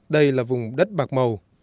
đây là vùng đất bạc màu